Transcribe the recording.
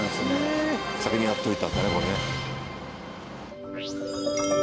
先にやっておいたんだねこれね。